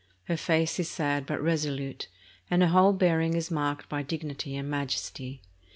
Her face is sad but resolute, and her whole bearing is marked by dignity and majesty.